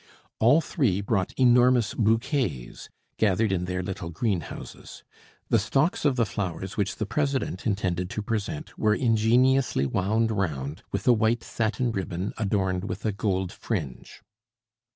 All three brought enormous bouquets, gathered in their little green houses. The stalks of the flowers which the president intended to present were ingeniously wound round with a white satin ribbon adorned with gold fringe.